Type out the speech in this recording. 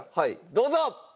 どうぞ！